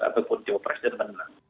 ataupun cowok presiden benar